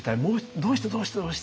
どうしてどうしてどうして？